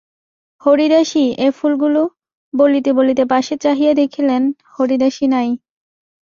হরিদাসী, এ ফুলগুলো— বলিতে বলিতে পাশে চাহিয়া দেখিলেন, হরিদাসী নাই।